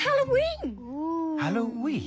ハロウィーンだよ。